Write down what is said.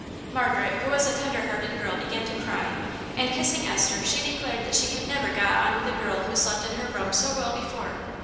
Margaret, who was a tender hearted girl, began to cry, and, kissing Esther, she declared that she had never got on with a girl who slept in her room so well before.